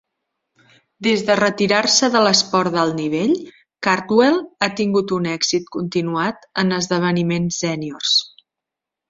Des de retirar-se de l'esport d'alt nivell, Cardwell ha tingut un èxit continuat en esdeveniments sèniors.